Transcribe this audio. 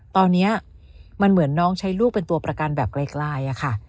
ตอนนี้มันเหมือนน้องใช้ลูกเป็นตัวประกันแบบไกลค่ะ